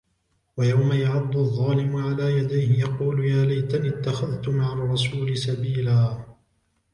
وَيَوْمَ يَعَضُّ الظَّالِمُ عَلَى يَدَيْهِ يَقُولُ يَا لَيْتَنِي اتَّخَذْتُ مَعَ الرَّسُولِ سَبِيلًا